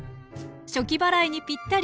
暑気払いにぴったり。